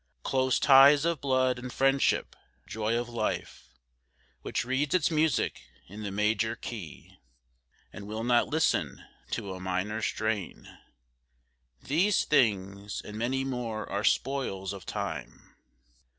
Close ties of blood and friendship, joy of life, Which reads its music in the major key And will not listen to a minor strain— These things and many more are spoils of time.